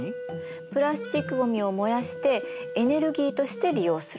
プラスチックごみを燃やしてエネルギーとして利用するの。